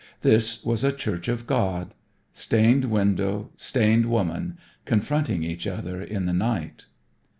This was a Church of God. Stained window, stained woman, confronting each other in the night!